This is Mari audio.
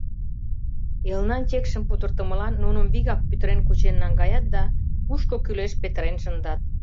Элнан чекшым пудыртымылан нуным вигак пӱтырен кучен наҥгаят да кушко кӱлеш петырен шындат».